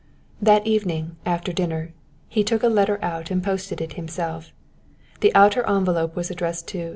That evening after dinner he took a letter out and posted it himself. The outer envelope was addressed to M.